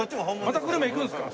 またグルメ行くんですか？